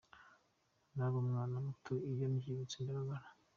Nari umwana muto, iyo mbyibutse ndababara.